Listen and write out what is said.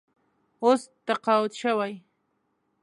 اوس تقاعد شوی.